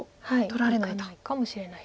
取られないかもしれないです。